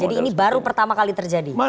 tidak pernah terjadi